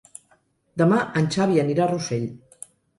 Demà en Xavi anirà a Rossell.